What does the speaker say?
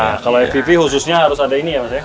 nah kalau fpp khususnya harus ada ini ya mas ya